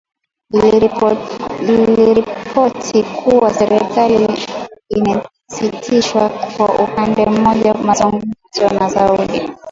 Iiliripoti kuwa serikali imesitisha kwa upande mmoja mazungumzo na Saudi.